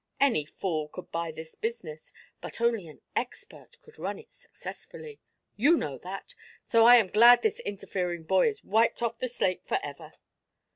Any fool could buy this business, but only an expert could run it successfully. You know that. So I am glad this interfering boy is wiped off the slate forever."